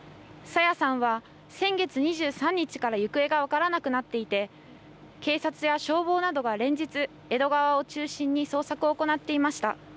朝芽さんは先月２３日から行方が分からなくなっていて、警察や消防などが連日、江戸川を中心に捜索を行っていました。